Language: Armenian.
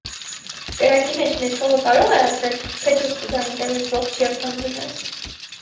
- Կրակի մեջ նետվողը կարո՞ղ է ասել, թե դուրս կգա այնտեղից ողջ և անվնաս…